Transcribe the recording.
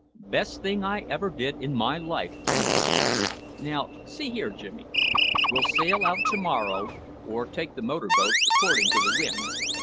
"Best thing I ever did in my life," Sir Henry agreed. "Now see here, Jimmy. We'll sail out tomorrow, or take the motor boat, according to the wind.